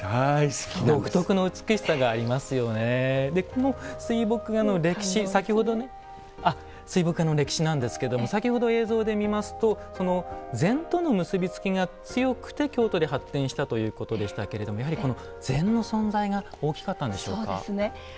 この水墨画の歴史水墨画の歴史なんですけども先ほど映像で見ますと禅との結び付きが強くて京都で発展したということでしたけれどもやはり禅の存在が大きかったんでしょうか？